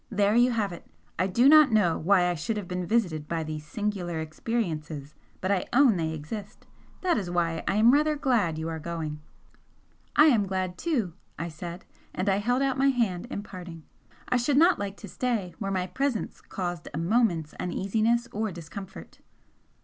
There you have it. I do not know why I should have been visited by these singular experiences but I own they exist that is why I am rather glad you are going." "I am glad, too," I said and I held out my hand in parting "I should not like to stay where my presence caused a moment's uneasiness or discomfort."